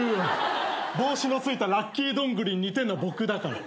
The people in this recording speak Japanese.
帽子のついたラッキードングリ似てんの僕だから。